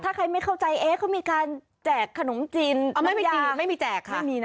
ถ้าใครไม่เข้าใจเขามีการแจกขนมจีนน้ำยาไม่มีแจกค่ะ